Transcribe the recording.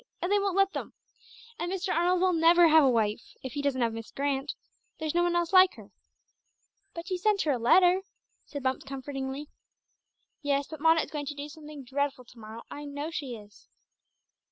They won't let them. And Mr. Arnold will never have a wife, if he doesn't have Miss Grant. There's no one else like her." "But you sent her a letter," said Bumps comfortingly. "Yes, but Mona is going to do something dreadful to morrow. I know she is."